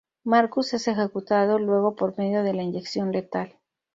Marcus es ejecutado luego por medio de la inyección letal.